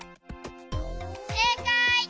せいかい！